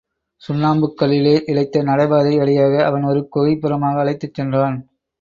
சுண்ணாம்புக் கல்லிலே இழைத்த நடைபாதை வழியாக அவன் ஒரு குகைப்புறமாக அழைத்துச் சென்றான்.